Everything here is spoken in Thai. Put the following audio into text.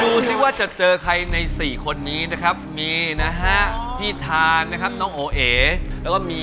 ดูสิว่าจะเจอใครในสี่คนนี้นะครับมีนะฮะพี่ทานนะครับน้องโอเอแล้วก็มี